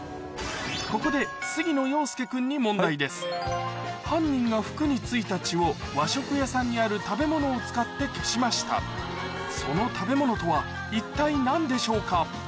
ここで杉野遥亮君に犯人が服についた血を和食屋さんにある食べ物を使って消しましたその食べ物とは一体何でしょうか？